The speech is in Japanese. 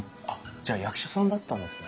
じゃあ役者さんだったんですね？